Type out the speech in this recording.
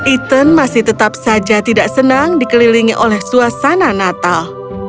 ethan masih tetap saja tidak senang dikelilingi oleh suasana natal